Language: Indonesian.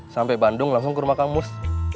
sampai bandung langsung ke rumah kang mus